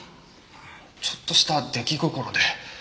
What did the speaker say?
ちょっとした出来心で。